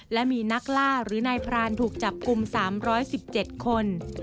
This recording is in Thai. และมีนักล่าหรือนายพรานถูกจับกลุ่ม๓๑๗คน